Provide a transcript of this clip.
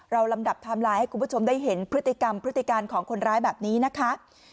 ลำดับไทม์ไลน์ให้คุณผู้ชมได้เห็นพฤติกรรมพฤติการของคนร้ายแบบนี้นะคะ